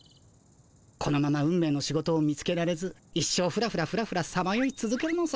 このまま運命の仕事を見つけられず一生フラフラフラフラさまよいつづけるのさ。